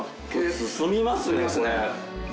進みますねこれ。